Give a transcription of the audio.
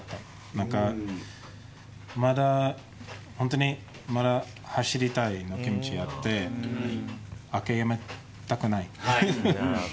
何か、まだ本当に走りたいの気持ちがあって諦めたくない。